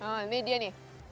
nah ini dia nih